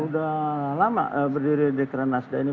sudah lama berdiri dekrean nasta ini